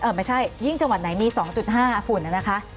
ไม่ใช่ยิ่งจังหวัดไหนมี๒๕ฝุ่นนะคะ